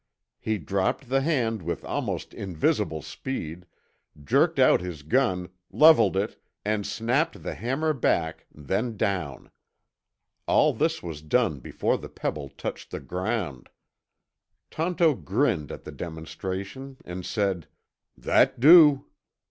He dropped the hand with almost invisible speed, jerked out his gun, leveled it, and snapped the hammer back, then down. All this was done before the pebble touched the ground. Tonto grinned at the demonstration and said, "That do."